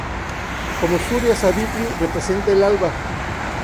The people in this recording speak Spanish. Como Surya-Savitri representa el alba.